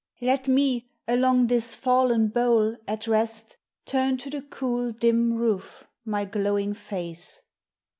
Let me, along this fallen bole, at rest, Turn to the cool, dim roof my glowing face.